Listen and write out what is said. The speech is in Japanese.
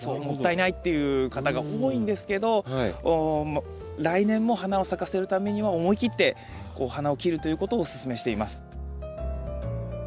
もったいないっていう方が多いんですけど来年も花を咲かせるためには思い切って花を切るということをおすすめしています。